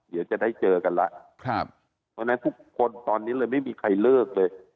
เดี๋ยวจะได้เจอกันล่ะทุกคนตอนนี้เลยไม่มีใครเลิกเลย